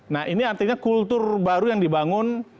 nah ini artinya kultur baru yang dibangun